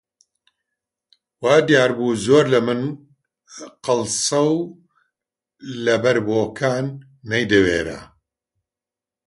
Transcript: وا دیار بوو زۆر لە من قەڵسە و لەبەر بۆکان نەیدەوێرا